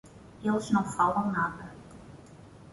Eles não falam nada.